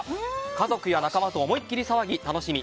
家族や仲間と思いっきり騒ぎ、楽しみ